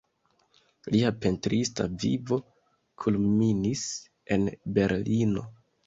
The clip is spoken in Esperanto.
Lia pentrista vivo kulminis en Berlino.